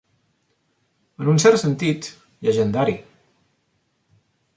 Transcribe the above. En un cert sentit, llegendari.